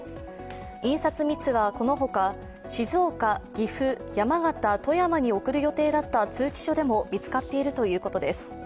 印刷ミスはこの他、静岡、岐阜、山形富山に送る予定だった通知書でも見つかっているということです。